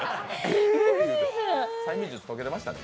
催眠術とけてましたね。